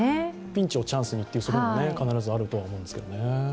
ピンチをチャンスにというのは必ずあるとは思うんですけどね。